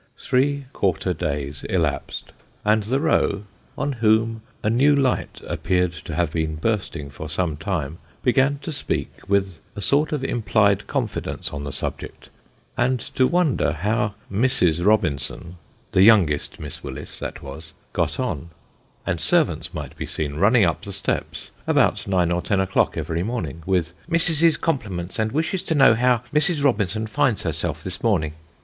Three quarter days elapsed, and the row, on whom a new light appeared to have been bursting for some time, began to speak with a sort of implied confidence on the subject, and to wonder how Mrs. Robinson the youngest Miss Willis that was got on ; and servants might be seen running up the steps, about nine or ten o'clock every morning, with " Missis's compliments, and wishes to know how Mrs. Robinson finds herself this morning?"